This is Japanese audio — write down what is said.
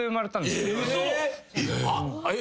えっ！？